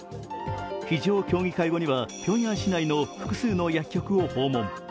非常協議会後にはピョンヤン市内の複数の薬局を訪問。